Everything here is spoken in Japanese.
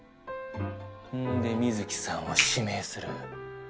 んで美月さんを指名する。